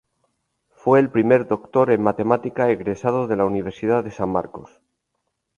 Fue el primer doctor en matemática egresado de la Universidad de San Marcos.